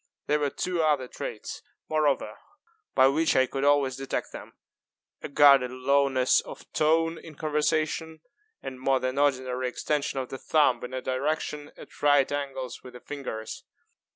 There were two other traits, moreover, by which I could always detect them; a guarded lowness of tone in conversation, and a more than ordinary extension of the thumb in a direction at right angles with the fingers.